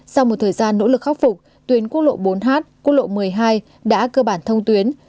sau một thời gian nỗ lực khắc phục tuyến quốc lộ bốn h quốc lộ một mươi hai đã cơ bản thông tuyến